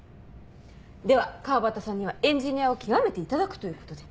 では川端さんにはエンジニアを極めていただくということで。